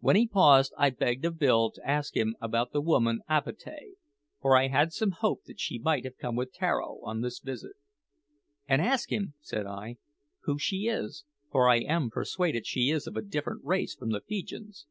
When he paused I begged of Bill to ask him about the woman Avatea, for I had some hope that she might have come with Tararo on this visit. "And ask him," said I, "who she is, for I am persuaded she is of a different race from the Feejeeans."